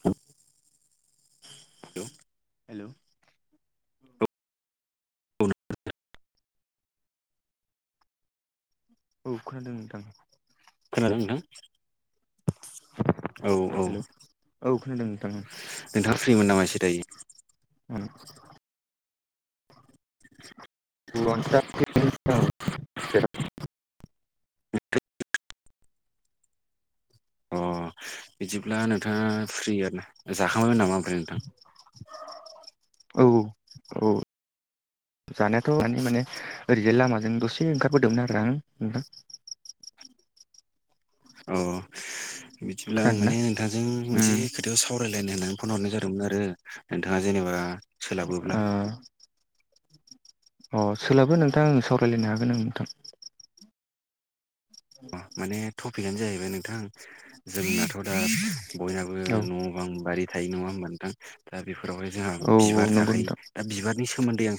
थ हेल' औ खोनादों नोंथां खोनादों नोंथां औ औ हेलौ औ खोनादों नोंथां ओं नोंथाङा फ्रिमोन नामा एसे दायो ओ [inaudible] [unintelligible] अ बिदिब्ला नोंथाङा फ्रि आरोना जाखांबायमोन नामा ओमफ्राय नोंथां? औ औ जानायाथ' माने माने ओरैजाय लामाजों दसे ए ओंखारबोदोंमोन आरो आं नोंथां अ बिदिब्ला आं खोनादोंना माने नोंथांजों उम मोनसे खोथायाव सा सावरायलायनो होननानै फन हरनाय जादोंमोन आरो नोंथांङा जेनेबा सोलाबोब्ला ओ अ सोलाबो नोंथां ओं सावरायलायनो हागोन आं नोंथां माने टपिकआनो जाहैबाय नोंथां जोंनाथ' दा बयनाबो औ न'आव गोबां बारि थायो नङा होनोमबथां दा बेफोरावहाय जोंहा औ औ बिबार नंगौ थाखायो नोंथां दा बिबारनि सोम सोमोन्दै आं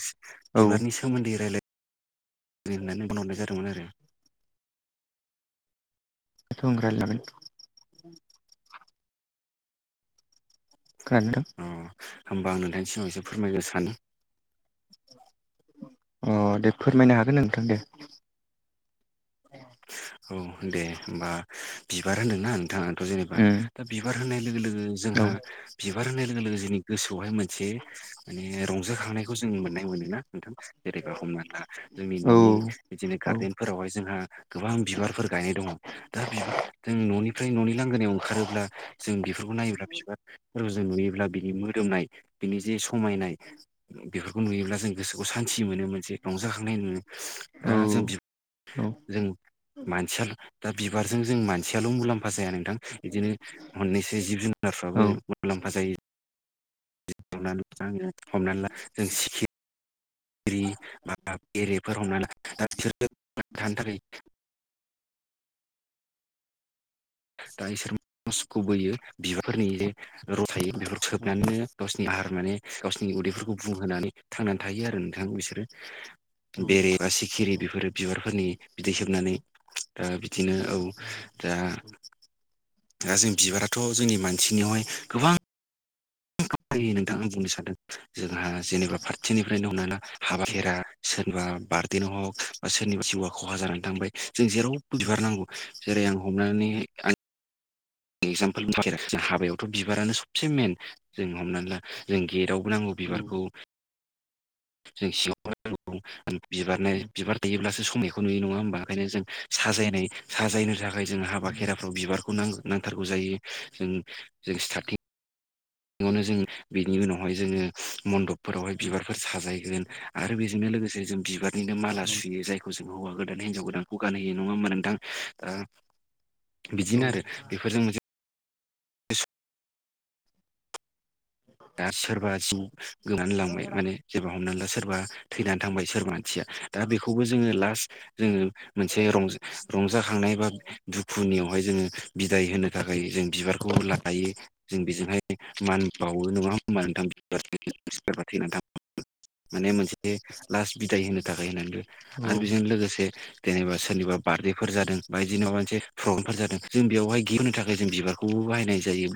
औ बिबारनि सोमोन्दै रायलाय होननानै बुंहरनाय जादोंमोन आरो [unintelligible] खोनादों ना नोंथां अ होमबा आं नोंथांनि सिगाव एसे फोरमायनो सानो अ दे फोरमायनो हागोन नोंथां दे। औ दे होमबा बिबार होनबा नोंथां आंथ' जेनेबा उम दा बिबार होनाय लोगो लोगो औ जोंहा बिबार होनाय लोगो लोगो जोंनि गोसोआवहाय मोनसे माने रंजा खांनायखौ जों मोननाय मोनो ना नोंथां जेरैबा हमना ला जोंनि औ न'नि बिदिनो औ गार्देन फोरावहाय जोंहा गोबां बिबारफोर गायनाय दङ। दा बिबार जों न'निफ्राय न'नि लांगोनायाव ओंखारोब्ला जों बेफोरखौ नायोब्ला बिबार रुजु नुयोब्ला बिनि मोदोमनाय बिनि जे समायनाय बेफोरखौ नुयोब्ला जों गोसोखौ सान्थि मोनो मोनसे रंजाखांनाय नुयो दा औ जों बि औ जों मानसिया दा बिबारजों जों मानसियाल' मुलाम्फा जाया नोंथां बिदिनो मोननैसै जिब जुनारफ्राबो औ मुलाम्फा जायो [unintelligible] हमनानै ला जों सिखि खिरि बा बेरेफोर हमना ला दा बिसोर थानो थाखाय दा इसोर रसखौ बोयो बिबारफोरनि रस थायो बे सोबनानैनो गावसि आहार माने गावसिनि उदैफोरखौ बुंहोनानै थांनानै थायो आरो नोंथां बिसोरो बेरे बा सिखिरि बेफोरो बिबारफोरनि बिदै सोबनानै ओ बिदिनो औ दा दा जों बिबाराथ' जोंनि मानसिनियावहाय गोबां [unintelligible] नोंथां आं बुंनो सान्दों जोंहा जेनेबा पार्टिनिफ्रायनो हमना ला हाबा खेरा सोरनिबा बारदेनो हग बा सोरनिबा जिउआ खहा जानानै थांबाय जों जेराव बो बिबारनांगौ जेरै आं हमनानै आं एक्जामपोल थाखाय जों हाबायावथ' बिबारानो सबसे मेन जों हमनानै ला जों गेटआवबो नांगौ। बिबारखौ जों [unintelligible] बिबारनाय बिबार थायोब्लासो समायखौ नुयो नङा होमबा ओंखायनो जों साजायनाय साजायनो थाखाय जों हाबा खेराफ्राव बिबारखौ नां- नांथारगौ जायो जों जों स्टारटिं ङावनो जोङो बिनि उनावहाय जोङो मन्दपफोरावहाय बिबारफोर साजायगोन। आरो बेजोंनो लोगोसे जों बिबार बिनो माला सुयो जायखौ जों हौवा गोदान हिनजाव गोदानखौ गानहोयो नङा होमबा नोंथां? बिदिनो आरो बेफोरजों मोनसे दा सोरबा जिउ [unintelligible] लांबाय माने जेनेबा हमनानै ला सोरबा थैनानै थांबाय सोरबा मानसिया दा बेखौबो जोङो लास्ट जोङो मोनसे रंज-रंजाखांनाय बा दुखुनियावहाय जोङो बिदाय होनो थाखाय जों बिबारखौ लायो। जों बेजोंहाय मान बाव वो नङा होमबा नोंथां [unintelligible] थैना थाङो माने मोनसे ए लास्ट बिदाय होनो थाखाय होननानैबो औ आरो बेजों लोगोसे जेनेबा सोरनिबा बार्थडेफोर जादों बा इदिनो माबा मोनसे प्रग्रामफोर जादों जों बेयावहाय गिफ्ट होनो था खाय जों बिबारखौबो बाहायनाय जायो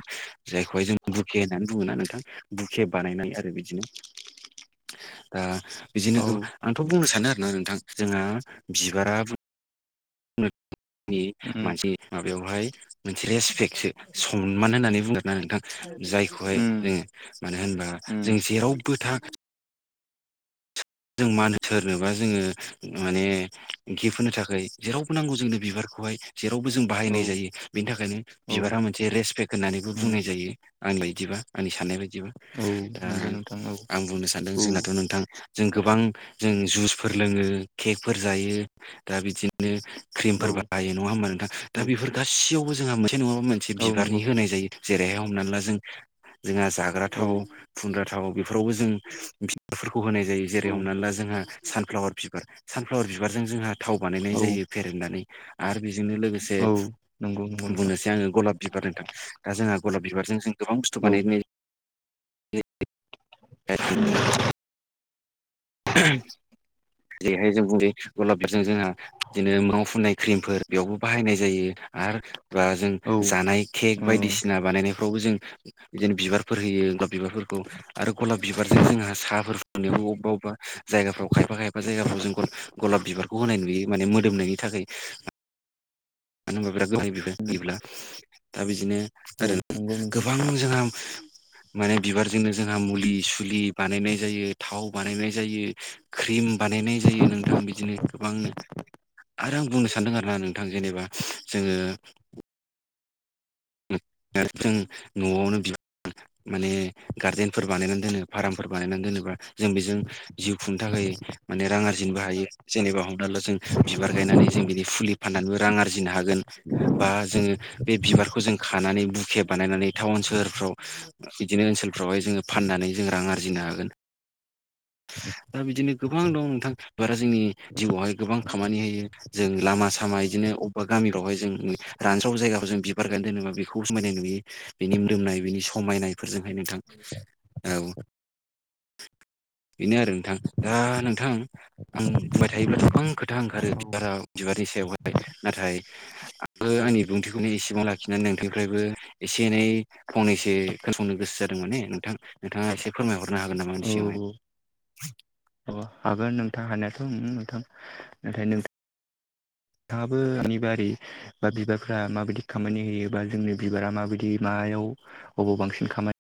जायखौहाय जों बुखे होननानै बुङोना नोंथां बुखे बानायनानै आरो बिदिनो दा बिदिनो औ गोबां आंथ' बुंनो सानो आरोना नोंथां जोंहा बिबारा [unintelligible] उम मानसि माबायावहाय मोनसे रेसपेक्टसो सनमान होननानै बुंगोनना नोंथां जायखौहाय उम जोङो मानो होनबा जों उम जेरावबो थां जों मा होनो सोरनोबा जोङो माने गिफ्ट होनो थाखाय जेरावबो नांगौ जोंनो बिबारखौहाय जेरावबो जों औ बाहायनाय जायो बेनि थाखायनो औ बिबारा मोनसे रेसपेक्ट होननानैबो उम बुंनाय जायो आंनि बायदिबा आंनि साननाय बायदिबा औ दा नंगौ नोंथां औ आं बुंनो सानदों औ जोंनाथ' नोंथां जों गोबां जों जुसफोर लोङो केकफोर जायो दा बिदि नो क्रिमफोर औ बाहायो नङा होमबा नोंथां दा औ बेफोर गासैयावबो जोंहा मोनसे नङाबा मोन से औ बिबारनि नंगौ होनाय जायो जेरैहाय हमनानै ला जों जोंहा जाग्रा औ थाव फुनग्रा थाव बेफोरावबो जों बिबारफोरखौ होनाय जायो जेरै- औ हमनानै ला जोंहा सानफ्लावार बिबार सानफ्लावार बिबारजों जोंहा थाव बानायनाय औ जायो फेरेदनानै आरो बेजोंनो लोगोसे औ नंगौ नंगौ नोंथां बुंनोसै आङो गलाब बिबार नोंथां दा जोंहा गलाब बिबारजों जों गोबां बुस्थु औ बानायनाय [unintelligible] जेरैहाय जों [unintelligible] बिदिनो माव फुननाय क्रिमफोर बेयावबो बाहायनाय जायो आरो बा जों औ जानाय केक औ बायदिसिना बानायनायफ्रावबो जों जेन बिबारफोर होयो बा बिबारफोरखौ आरो गलाब बिबारजों जोंहा साहाफोर फुदुंनायावबो अबा अबा जायगाफ्राव खायफा खायफा जायगाफ्राव जों [unintelligible] गलाब बिबारखौ होनाय नुयो माने मोदोमनायनि थाखाय मानो होनबा बिराद [unintelligible] होयोब्ला दा बिदिनो आरो नंगौ नोंथां गोबां जोंहा माने बिबारजोंनो जोंहा मुलि सुलि बानायनाय जायो थाव बानायनाय जायो क्रिम बानायनाय जायो नोंथां बिदिनो गोबांनो आरो आं बुंनो सानदों आरोना नोंथां जेनेबा जोङो [unintelligible] जों न'आवनो [unintelligible] माने गार्देनफोर बानायनानै दोनो फार्मफोर बानायनानै दोनोबा जों बेजों जिउ खुंनो थाखाय माने रां आरजिनोबो हायो जेनेबा हमना ला जों बिबार गायनानै जों बिनि फुलि फाननानैबो रां आरजिनो हागोन। बा जोङो बे बिबारखौ जों खानानै बुखे बानायनानै टाउन सोहोरफ्राव बिदिनो ओनसोलफ्रावहाय जोङो फाननानै जों रां आरजिनो हागोन दा बिदिनो गोबां दं नोंथां बिबारा जोंनि जिउआवहाय गोबां खामानि होयो। जों लामा सामा इदिनो अबा गामिफ्रावहाय जों रानस्राव जायगाखौ जों बिबार गायना दोनोबा बेखौ समायनाय नुयो बिनि मोदोमनाय बिनि समायनायफोरजोंहाय नोंथां औ बेनो आरो नोंथां दा नोंथां आं बुंबाय थायोब्लाथ' गोबां खोथा ओंखारो औ बिबाराव बिबारनि सायावहाय नाथाय बो औ औ आंनि बुंथिखौनो एसेबां लाखिनानै नोंथांनिफ्रायबो एसे एनै फंनैसे खोनासंनो गोसो जादों माने नोंथां नोंथाङा एसे फोरमायहरनो हागोन नामा आंनि औ सिगांआवहाय [unintelligible] हागोन नोंथां हानायाथ' [unintelligible] नोंथां नाथाय नोंथा थाङाबो बेनि बारै बा बिबारफ्रा माबायदि खामानि होयोबा जोंनि बिबारा माबायदि मायाव अबाव बांसिन खामानि।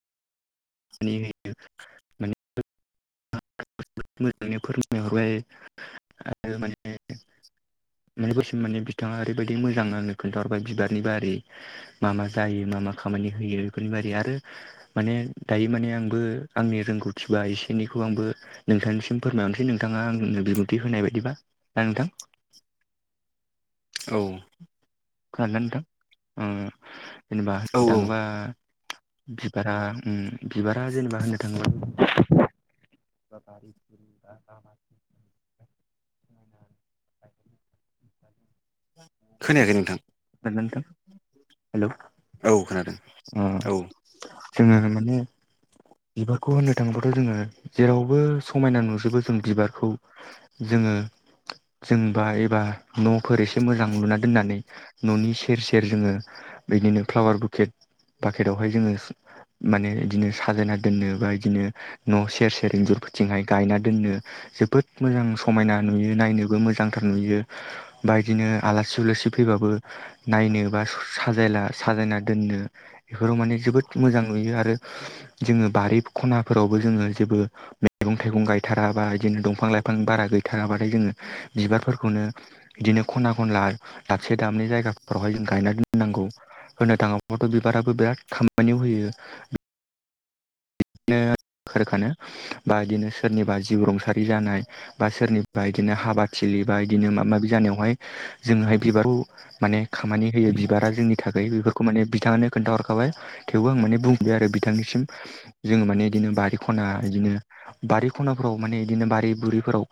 मानि होयो माने मोजाङै फोरमायहरबाय माने बस माने बिथाङा ओरैबायदि मोजां आंनो खोन्थाहरबाय बिबारनि बारि। मा मा जायो मा मा खामानि होयो बेफोरनि बादै आरो माने दायो माने आंबो आंनि रोंगौथि बा एसे एनैखौ आंबो। नोंथांनिसिम फोरमायहरनोसै नोंथाङा आंनो बिबुंथि होनाय बायदिबा ना नोंथां। औ खोनादोंना नोंथां ओं जेनेबा औ औ थाङोबा। बिबारा उम बिबारा जेनेबा होननो थाङोब्ला। [unintelligible] खोनायाखै नोंथां। नादोंना नोंथां। औ खोनादों अ औ जोङो माने। बिबारखौ होननो थाङोबाथ जोङो जेरावबो समायना नुजोबो जों बिबारखौ। जोङो जोंबा एबा नफोर एसे मोजां लुना दोननानै ननि सेर सेर जोङो। बिदिनो फ्लावार बुकेट बाकेटावहाय जोङो माने इदिनो साजायना। दोननो बा बिदिनो न सेर सेर इन्जुरफोरथिंहाय गायना दोननो। जोबोद मोजां समायना नुयो नायनोबो मोजांथार नुयो। बा इदिनो आलासि उलासि फैबाबो। नायनो बा साजायला साजायना दोननो। बेफोराव माने जोबोद मोजां नुयो आरो जोङो बारि खनाफोरावबो जोङो जेबो। मैगं -थाइगं गायथाराबा इदिनो दंफां लाइफां बारा गैथाराबाथाय जोङो बिबारफोरखौनो। बिदिनो खना - खनला दाबसे दाबनै जायगाफोरावहाय जों गायना दोननांगौ। होनो थाङोब्लाथ बिबाराबो बिराद खामानियाव होयो। बिदिनो खखानो बा बिदिनो सोरनिबा जिउ रुंसारि जानाय। बा सोरनिबा बिदिनो हाबाथिलि बा बिदिनो माबा माबि जानायावहाय जोङोहाय बिबारखौ। माने खामानि होयो बिबारा जोंनि थाखाय बेफोरखौ माने बिथाङानो खोन्थाहरखाबाय। थेवबो आं माने बुंफैयो आरो बिथांनिसिम जोङो माने बिदिनो बारि खना बिदिनो। बारि खनाफोराव माने बिदिनो बारि बुरिफोराव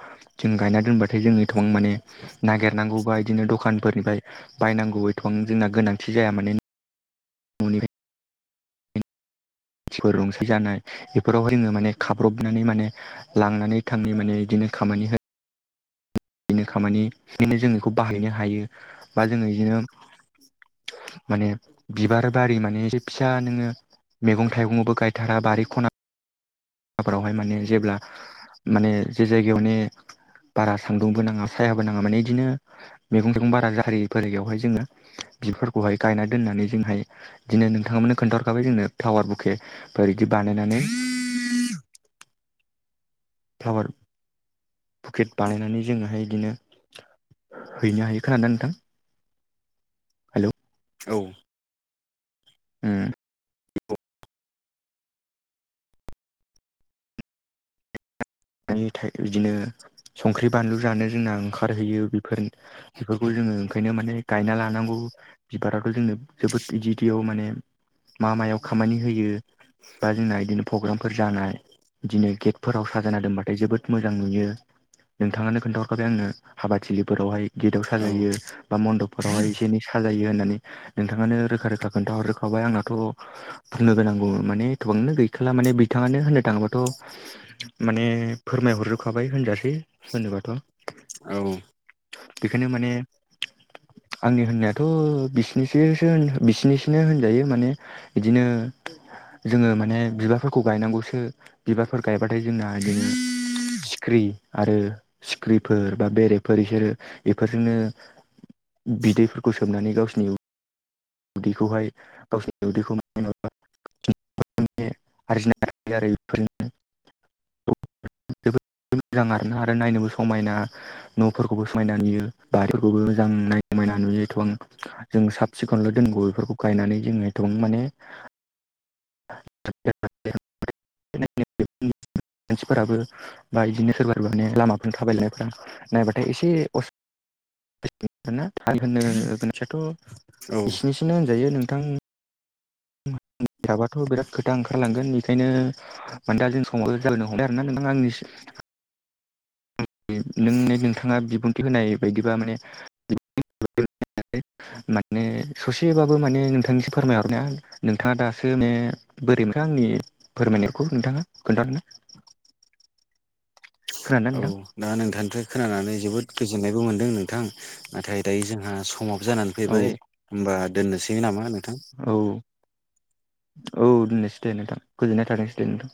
जों गायना दोनबाथाय जोंनि एथबां माने नागिरनांगौबा बिदिनो दखानफोरनिफ्राय बायनांगौ बेथ' जोंना गोनांथि जाया माने मानसिफोर रुंसाय जानाय बेफोराव जोङो माने खाब्रबनानै माने लांनानै थांनि माने बिदिनो खामानि हो बिदिनो खामानि बिदिनो जों बेखौ बाहायनो हायो बा जोङो इदिनो माने बिबार बारि माने एसे फिसा नोङो। मैगं थाइगंबो गायथारा बारि खना फोरावहाय माने जेब्ला माने जे जायगायावनो बारा सान्दुंबो नाङा सायाबो नाङा माने बिदिनो। मैगं थाइगं बारा जारि बयावहाय जोङो बिफोरखौहाय गायना दोननानै जोंहाय। बिदिनो नोंथांमोननो खोन्थाहरखाबाय जोंनो पावार बुकेफोर बिदि बानायनानै। फ्लावार पकेट बानायनानै जोङोहाय बिदिनो। हैनो हायो खोनादों ना नोंथां। हेलौ औ उम आनि थाय बिदिनो संख्रि बानलु जानो जोंना ओंखारहैयो बेफोर बेफोरखौ जोङो ओंखायनो माने गायना लानांगौ। बिबाराथ जोंनो जोबोद इदि इदियाव माने मा मायाव खामानि होयो। बा जोंना बिदिनो प्रग्रामफोर जानाय बिदिनो गेटफोराव सा जाना दोनबाथाय जोबोद मोजां नुयो नोंथाङानो खोन्थाहरखाबाय आंनो हाबाथिलिफोरावहाय गेटाव औ साजायो बा मनडब फोरावहाय एसे एनै साजायो होननानै नोंथाङानो रोखा रोखा खोन्थाहरोखाबाय आंनाथ' बुंनो गोनांगौ माने थबांनो गैखाला माने बिथाङानो होननो थाङोबाथ' माने फोरमायहरजोबखाबाय होनजासै होनोबाथ' औ बेखायनो माने आंनि होननायाथ' बिसिनिसोसो होन होन बिसिरनिसोनो होनजायो माने बिदिनो जोङो माने बिबारफोरखौ गायनांगौसो बिबारफोर गायबाथाय जोंना सिख्रि आरो सिख्रिफोर बा बेरेगफोर बिसोरो एफोरजोंनो बिदैफोरखौ सोमनानै गावसिनि उ दैखौहाय गावसिनि उदैखौ माने जेनेबा [unintelligible] माने आरजिनाय हायो आरो बेफोरनो [inaudible] जोबोद मोजां आरोना आरो नायनोबो समायना न'फोरखौबो समायना नुयो। बारिखौबो मोजां नायायना मोना नुयोथ' आं जों साबसि खौनल' दोनगौ बेफोरखौ गायनानै जोङ थ माने [unintelligible] मानसिफोराबो बा बिदिनो सोरबा माने लामाफोरनि थाबायनायफोरा नायबाथाय एसे अस थाल होनो गोनांथियाथ' औ बिसिनि सिनो होनजायो नोंथां थाबाथ' बिराद खोथा ओंखारलांगोन बेखायनो मान दा जों समाबो जालायनो हमबाय आरो ना नोंथां आंनिसिम [inaudible] [unintelligible] नों नोंथाङा बिबुंथि होनाय बायदिबा माने [unintelligible] माने ससेबाबो माने नोंथांनिसो फोरमायहरनाया नोंथाङा दासो माने बोरै मोनखो आंनि फोरमायनायखौ नोंथाङा खोनथागोनना? खोनादोंना औ नोंथां दा नोंथांनिफ्राय खोनानानै जोबोद गोजोननायबो मोनदों नोंथां नाथाय दायो जोंहा समाबो जानानै औ फैबाय होमबा दोननोसै नामा नोंथां? औ औ दोननोसै दे नोंथां गोजोननाय थानोसै दे नोंथां।